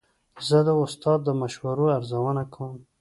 زه د استاد د مشورو ارزونه کوم.